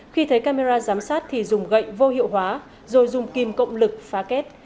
khi thấy camera giám sát thì dùng gậy vô hiệu hóa rồi dùng kim cộng lực phá kết